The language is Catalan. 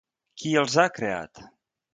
Qui els ha creat?